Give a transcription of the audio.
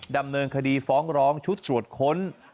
ดำเนินคดีฟ้องร้องชุดตรวจค้น